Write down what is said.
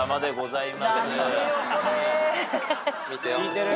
はい。